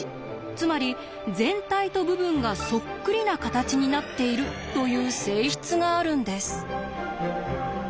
つまり全体と部分がそっくりな形になっているという性質があるんです。